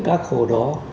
các hồ đó